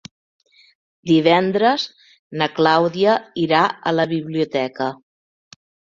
Divendres na Clàudia irà a la biblioteca.